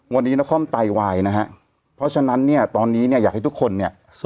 วันนี้นครไตวายนะฮะเพราะฉะนั้นเนี่ยตอนนี้เนี่ยอยากให้ทุกคนเนี่ย